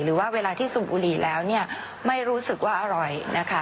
หรือว่าเวลาที่ซุ่มบุรีแล้วไม่รู้สึกว่าอร่อย